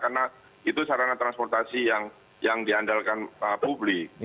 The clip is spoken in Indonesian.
karena itu sarana transportasi yang diandalkan publik